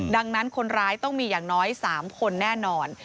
ดังนั้นคนร้ายต้องมีอย่างน้อย๓คนแน่นอน